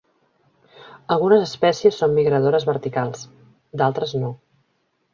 Algunes espècies són migradores verticals, d'altres no.